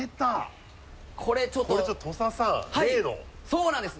そうなんです！